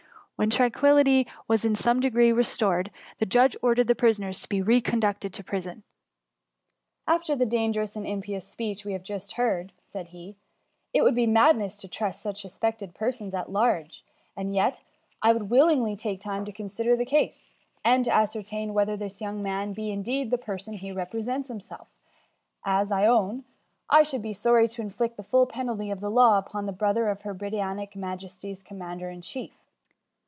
When tranquillity was in some degree re stored, the judge ordered the prisoners to be re conducted to prison. ^^ After the dangerous and impious speech we have just ho^rd,^ said he, *^ it would be mad ness to trust such suspected persons at large ; and yet, I would willingly take time to consider the case, and to ascerttdn whether this young man be indeed the person he represents him self; as, I own, I should be sorry to inflict the full penalty of the law upon the brother £44 THE MUMMY. of her Britannic Majesty^s Commander in chief.''